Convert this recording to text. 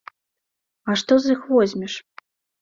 А што з іх возьмеш?